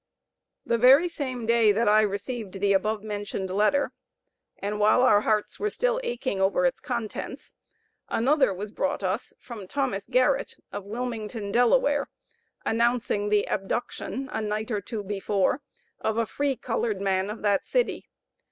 The very same day that I received the above mentioned letter, and while our hearts were still aching over its contents, another was brought us from Thomas Garrett, of Wilmington, Delaware, announcing the abduction, a night or two before, of a free colored man of that city.